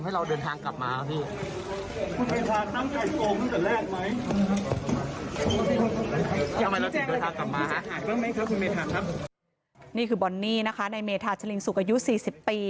อันนี้คือบอนนี่นะคะในเมธาเชลลิงศุกรยุ๔๐ปี